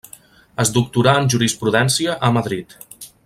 Es doctorà en jurisprudència a Madrid.